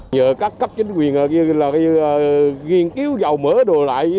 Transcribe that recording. nhờ các cấp chính quyền ở kia ghiền cứu dầu mỡ đồ lại